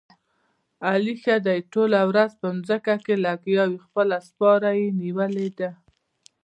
علي ښه دې ټوله ورځ په ځمکه کې لګیاوي، خپله سپاره یې نیولې ده.